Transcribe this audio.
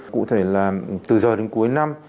cụ thể là từ giờ đến cuối năm